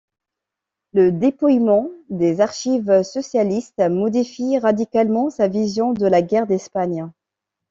Le dépouillement des archives socialistes modifie radicalement sa vision de la guerre d'Espagne.